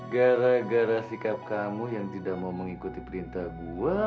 gara gara sikap kamu yang tidak mau mengikuti perintah gue